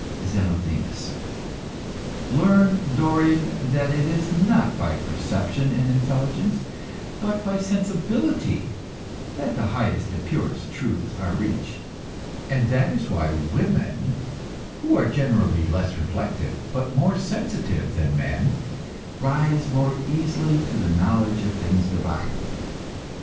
ZENOTHEMIS. Learn, Dorion, that it is not by perception and intelligence, but by sensibility, that the highest and purest truths are reached. That is why women, who, generally, are less reflective but more sensitive than men, rise more easily to the knowledge of things divine.